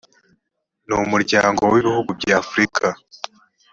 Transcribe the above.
n umuryango w ibihugu by afrika